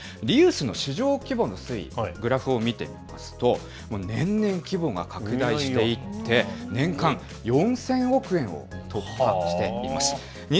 リユースの市場規模の推移、グラフを見てみますと、年々規模が拡大していって、年間４０００億円を突破しています。